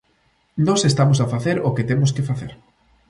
Nós estamos a facer o que temos que facer.